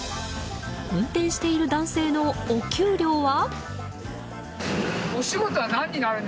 運転している男性のお給料は？